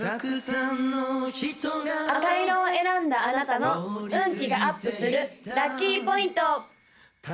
赤色を選んだあなたの運気がアップするラッキーポイント！